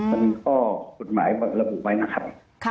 มันมีข้อศูนย์หมายบางระบุไว้นะครับ